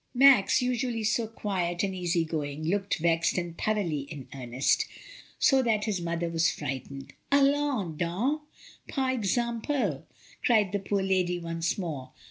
Max, usually so quiet and easy going, looked vexed and thoroughly in earnest, so that his mother was frightened. ^AUons done I par exemphy* cried the poor lady once more.